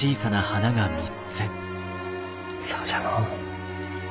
そうじゃのう。